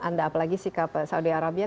anda apalagi sikap saudi arabia